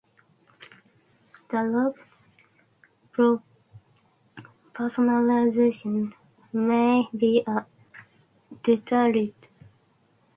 The lack of personalization may be a deterrent.